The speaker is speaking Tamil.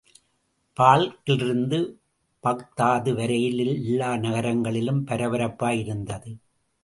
பால்க்கிலிருந்து பாக்தாது வரையிலே எல்லா நகரங்களிலும் பரபரப்பாயிருந்தது.